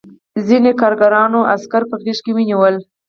ځینو کارګرانو عسکر په غېږ کې ونیول